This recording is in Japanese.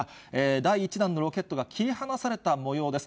第１段のロケットが切り離されたもようです。